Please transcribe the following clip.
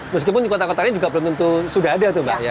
meskipun kota kotanya sudah ada